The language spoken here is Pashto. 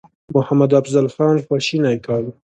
محمدافضل خان خواشینی کړ.